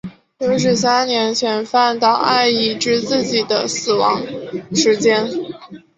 有指三年前饭岛爱已知自己的死亡时间。